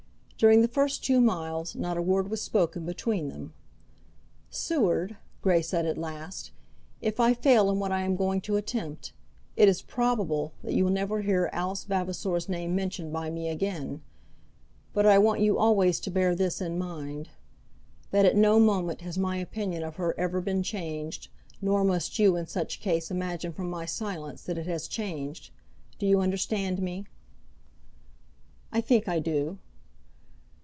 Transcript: During the first two miles not a word was spoken between them. "Seward," Grey said at last, "if I fail in what I am going to attempt, it is probable that you will never hear Alice Vavasor's name mentioned by me again; but I want you always to bear this in mind; that at no moment has my opinion of her ever been changed, nor must you in such case imagine from my silence that it has changed. Do you understand me?" "I think I do."